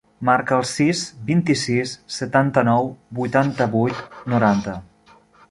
Marca el sis, vint-i-sis, setanta-nou, vuitanta-vuit, noranta.